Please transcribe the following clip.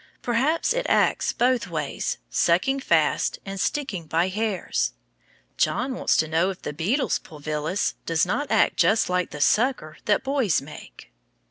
Perhaps it acts both ways, sucking fast and sticking by hairs. John wants to know if the beetle's pulvillus does not act just like the "sucker" that boys make.